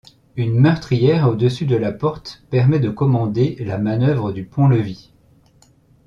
Une meurtrière au-dessus de la porte permet de commander la manœuvre du pont-levis.